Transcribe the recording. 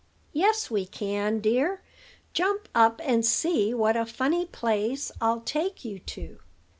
"Yes, we can, dear; jump up, and see what a funny place I'll take you to."